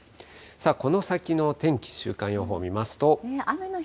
この先の天気、週間予報見ますと。